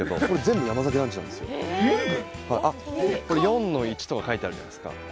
これ４の１とか書いてあるじゃないですか。